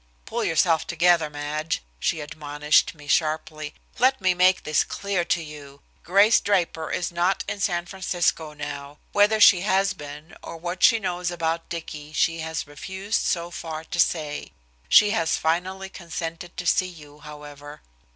"Pull yourself together, Madge," she admonished me sharply. "Let me make this clear to you. Grace Draper is not in San Francisco now. Whether she has been, or what she knows about Dicky she has refused so far to say. She has finally consented to see you, however."